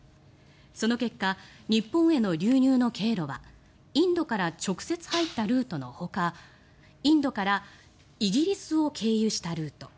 その結果、日本への流入の経路はインドから直接入ったルートのほかインドからイギリスを経由したルート